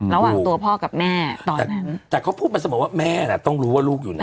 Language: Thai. ระหว่างตัวพ่อกับแม่ตอนนั้นแต่เขาพูดมาเสมอว่าแม่น่ะต้องรู้ว่าลูกอยู่ไหน